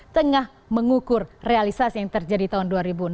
tengah mengukur realisasi yang terjadi tahun dua ribu enam belas